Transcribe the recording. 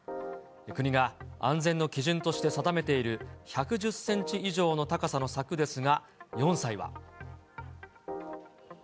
国が安全の基準として定めている１１０センチ以上の高さの柵ですが、４歳は。